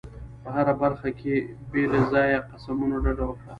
په هره خبره کې له بې ځایه قسمونو ډډه وکړه.